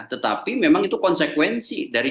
tetapi memang itu konsekuensi dari